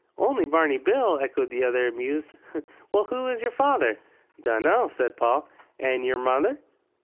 "Only Barney Bill?" echoed the other, amused. "Well, who is your father?" "Dunno," said Paul. "And your mother?"